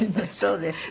そうですか。